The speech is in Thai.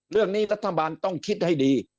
เรื่องนี้รัฐบาลต้องคิดให้ดี